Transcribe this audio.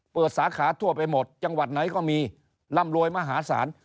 สาขาทั่วไปหมดจังหวัดไหนก็มีร่ำรวยมหาศาล